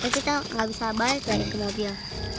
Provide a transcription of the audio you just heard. kita gak bisa balik dari kemabian